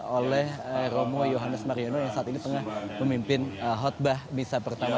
oleh romo yohannes mariano yang saat ini tengah memimpin hotbah misa pertama